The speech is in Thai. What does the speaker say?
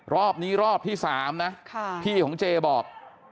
รอบนี้รอบที่๓นะพี่ของเจบอก